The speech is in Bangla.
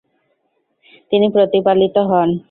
তিনি প্রতিপালিত হন।